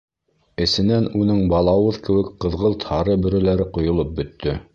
Эҫенән уның балауыҙ кеүек ҡыҙғылт-һары бөрөләре ҡойолоп бөттө.